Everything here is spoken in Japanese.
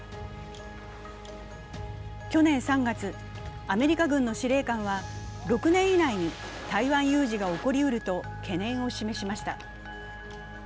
去年３月、アメリカ軍の司令官は６年以内に台湾有事が起こりうると懸念を示しました。